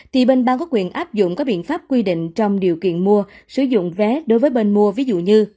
thì bên bang có quyền áp dụng các biện pháp quy định trong điều kiện mua sử dụng vé đối với bên mua ví dụ như